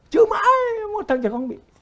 chứ mãi mỗi thằng trẻ con không bị